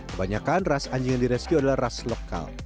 kebanyakan ras anjing yang direscue adalah ras lokal